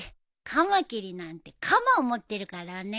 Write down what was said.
カマキリなんて鎌を持ってるからね。